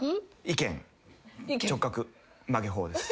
意見直角曲げ法です。